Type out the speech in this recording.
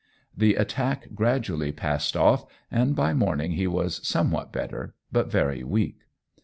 The attack gradually passed off, and by the morning he was somewhat better, but very weak.